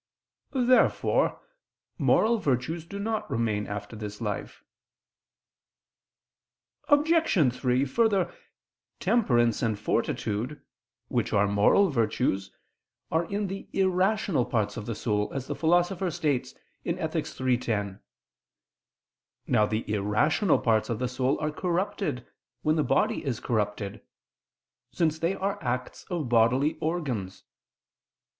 Therefore moral virtues do not remain after this life. Obj. 3: Further, temperance and fortitude, which are moral virtues, are in the irrational parts of the soul, as the Philosopher states (Ethic. iii, 10). Now the irrational parts of the soul are corrupted, when the body is corrupted: since they are acts of bodily organs.